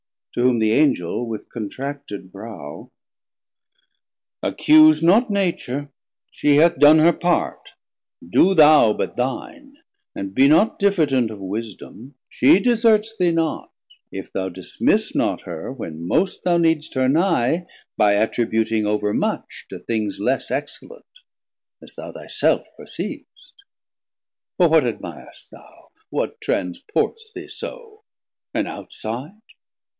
To whom the Angel with contracted brow. 560 Accuse not Nature, she hath don her part; Do thou but thine, and be not diffident Of Wisdom, she deserts thee not, if thou Dismiss not her, when most thou needst her nigh, By attributing overmuch to things Less excellent, as thou thy self perceav'st. For what admir'st thou, what transports thee so, An outside?